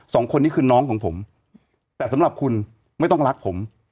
สองคนนี้คือน้องของผมแต่สำหรับคุณไม่ต้องรักผม